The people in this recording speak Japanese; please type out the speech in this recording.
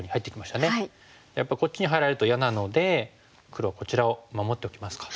やっぱりこっちに入られると嫌なので黒はこちらを守っておきますか。